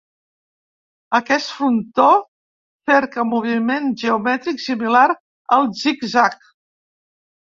Aquest frontó cerca moviment geomètric similar al zig-zag.